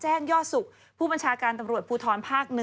แจ้งยอสุกผู้บัญชาการตำรวจผู้ท้อนภ๑